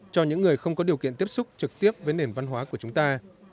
cho những người không có điều kiện tiếp xúc trực tiếp với nền văn hóa của chúng ta